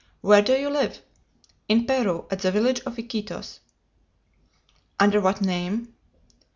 "Where do you live?" "In Peru, at the village of Iquitos." "Under what name?"